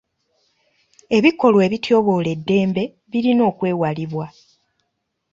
Ebikolwa ebityoboola eddembe birina okwewalibwa.